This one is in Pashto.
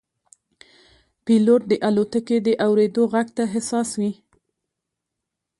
پیلوټ د الوتکې د اورېدو غږ ته حساس وي.